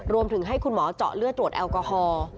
รวมถึงให้คุณหมอเจาะเลือดตรวจแอลกอฮอล์